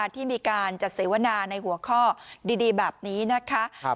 ที่มีการจัดเสวนาในหัวข้อดีแบบนี้นะคะ